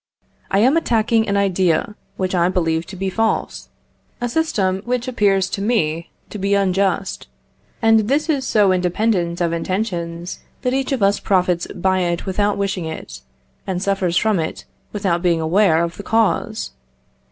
I am attacking an idea which I believe to be false a system which appears to me to be unjust; and this is so independent of intentions, that each of us profits by it without wishing it, and suffers from it without being aware of the cause.